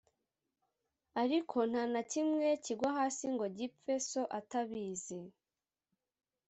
Ariko nta na kimwe kigwa hasi ngo gipfe So atabizi